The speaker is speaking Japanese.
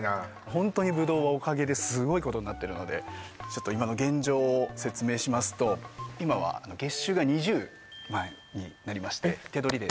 ホントにぶどうはおかげですごいことになってるのでちょっと今の現状を説明しますと今は月収が２０万円になりましてえっ手取りではい